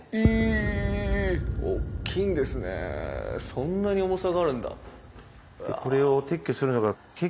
そんなに重さがあるんだ。